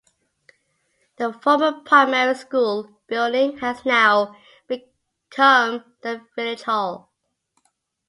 The former primary school building has now become the village hall.